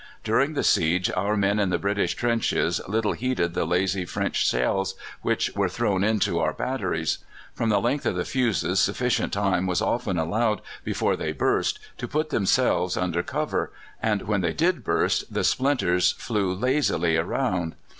During the siege our men in the British trenches little heeded the lazy French shells which were thrown into our batteries. From the length of the fuses sufficient time was often allowed before they burst to put themselves under cover; and when they did burst, the splinters flew lazily around.